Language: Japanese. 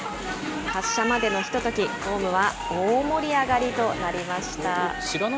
発車までのひととき、ホームは大盛り上がりとなりました。